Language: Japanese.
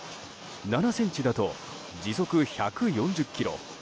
７ｃｍだと時速１４０キロ。